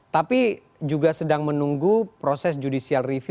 tapi juga sedang menunggu proses judicial review